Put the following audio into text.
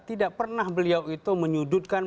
tidak pernah beliau itu menyudutkan